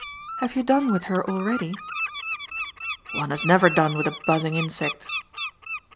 "Have you done with her already?" "One has never done with a buzzing insect